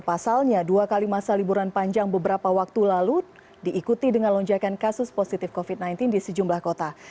pasalnya dua kali masa liburan panjang beberapa waktu lalu diikuti dengan lonjakan kasus positif covid sembilan belas di sejumlah kota